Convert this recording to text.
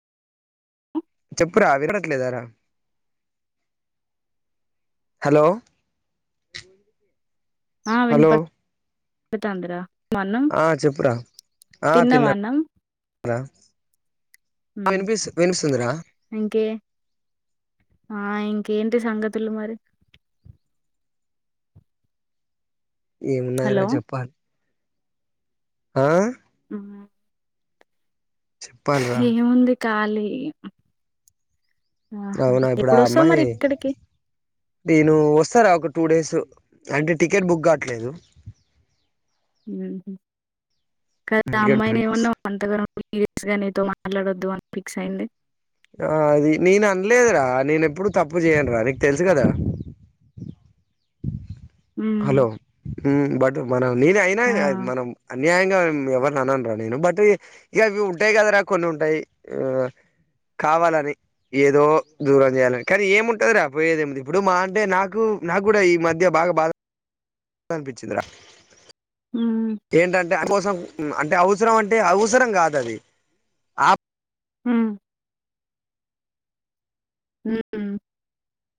చెప్పురా వినట్లేదారా? హలో ఆ హలో విన్పడ్తాందిరా ఆ చెప్పురా ఆ తిన్నావా తిన్నా అన్నం హలో ఉమ్ వినిపి వినిపిస్తుందిరా ఇంకే ఆ ఇంకేంటి సంగతులు మరి హలో ఏమున్నాయ్రా చెప్పాలి? ఆ ఉమ్ చెప్పాల్రా ఏముంది ఖాళీ ఆహా అవునా ఇప్పుడు ఆ ఎప్పుడోస్తావ్ మరి అమ్మాయి ఇక్కడికి నేను వస్తారా ఒక టూ డేస్ అంటే టికెట్ బుక్ కావట్లేదు ఊహు కదా టికెట్ అమ్మాయిని ఏమన్నావు అంతగానం సీరియస్ గా నీతో మాట్లాడొద్దు అం ఫిక్స్ అయింది ఆ అది నేను అన్లేదురా నేనెప్పుడు తప్పు చేయ్ను రా నీకు తెలుసు కదా ఉమ్ హలో మ్ బట్ మనం నేను అయినా ఆ మనం న్యాయంగా ఎవరిని అనన్రా నేను బట్ ఇక అవి ఉంటాయి కద రా కొన్ని ఉంటాయి ఆ కావాలని ఏదో దూరం చేయాలని కానీ ఏముంటది రా పోయేది ఏమి ఇప్పుడు మా అంటే నాకు నా కూడా ఈ మధ్య బాగ భాద అనిపిచ్చిందిరా ఉమ్ ఏంటంటే అందుకోసం అంటే అవసరం అంటే అవసరం కాదు అది ఆప్ ఉమ్ ఊమ్